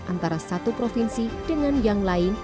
antara satu provinsi dengan yang lain